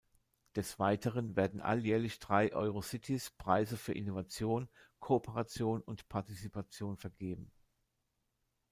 Des Weiteren werden alljährlich drei Eurocities Preise für Innovation, Kooperation und Partizipation vergeben.